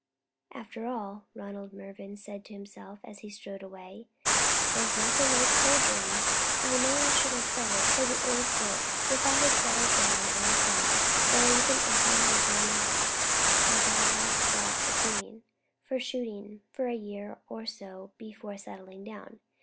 "After all," Ronald Mervyn said to himself, as he strode away, "there's nothing like soldiering. I know I should have fretted for the old work if I had settled down on a farm, or even if I had gone in, as I half thought of doing, for shooting for a year or so before settling down.